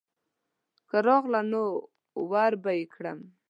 که راغله نو وربه یې کړم.